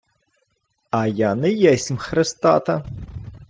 — А я не есмь хрестата.